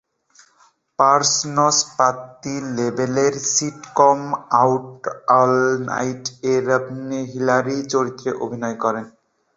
Parsons Patti লাবেলের sitcom "out all নাইট"-এ Hillary চরিত্রে অভিনয় করেন।